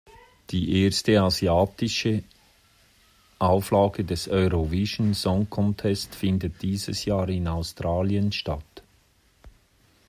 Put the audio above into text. Die erste asiatische Auflage des Eurovision Song Contest findet dieses Jahr in Australien statt.